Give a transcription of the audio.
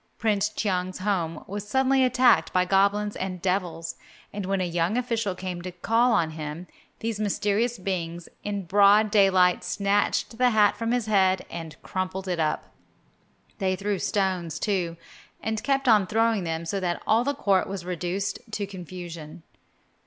Prince Cheung's home was suddenly attacked by goblins and devils, and when a young official came to call on him, these mysterious beings in broad daylight snatched the hat from his head and crumpled it up. They threw stones, too, and kept on throwing them so that all the court was reduced to confusion.